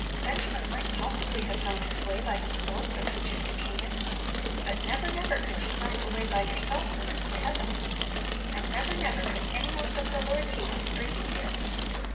Benjamin might possibly have found his way by himself from Egypt to Canaan; but never, never could you find the way by yourself from earth to heaven; and never, never could any one but the Lord Jesus bring you there.